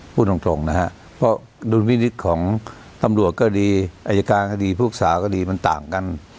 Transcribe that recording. พูดตรงนะฮะเพราะดุลพินิษฐ์ของตำรวจก็ดีอายการก็ดีภูกษาก็ดีมันต่างกัน